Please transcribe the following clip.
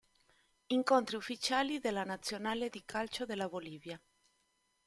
Incontri ufficiali della Nazionale di calcio della Bolivia